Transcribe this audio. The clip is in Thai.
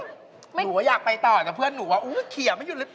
หนูว่าอยากไปต่อแต่เพื่อนหนูว่าเขียนไม่หยุดเลย